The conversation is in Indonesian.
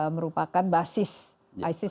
merupakan basis isis